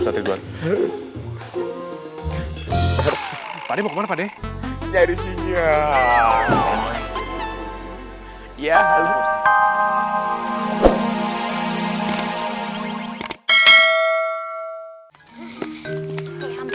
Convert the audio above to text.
pada pakenya ya ya